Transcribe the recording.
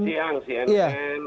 selamat siang cnn